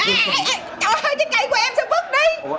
anh xin lỗi anh xin lỗi